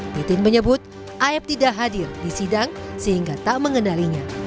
titin menyebut aep tidak hadir di sidang sehingga tak mengendalinya